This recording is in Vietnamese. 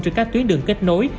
trên các tuyến đường kết nối